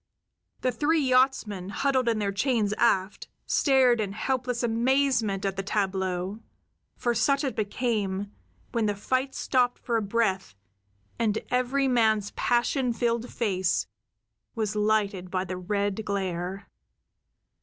The three yachtsmen, huddled in their chains aft, stared in helpless amazement at the tableau; for such it became, when the fight stopped for a breath and every man's passion filled face was lighted by the red glare.